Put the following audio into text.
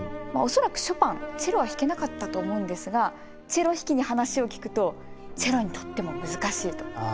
恐らくショパンチェロは弾けなかったと思うんですがチェロ弾きに話を聞くとチェロにとっても難しいと憧れの曲で。